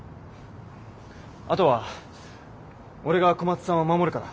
あとは俺が小松さんを守るから。